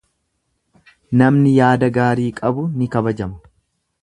Namni yaada gaarii qabu ni kabajama.